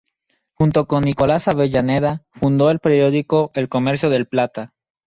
Junto con Nicolás Avellaneda fundó el periódico "El Comercio del Plata".